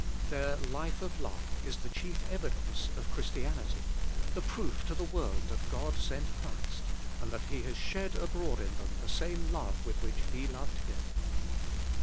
Their life of love is the chief evidence of Christianity, the proof to the world that God sent Christ, and that He has shed abroad in them the same love with which He loved Him.